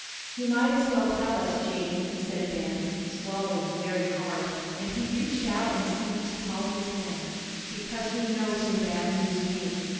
"You might as well tell us, Jane," said Ben, swallowing very hard, and he reached out and seized Polly's hand, "because we know some bad news came.